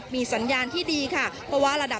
ทุกคนมีความสุขครับได้รับเงินเพราะว่าเขารอมานานแล้วนะครับ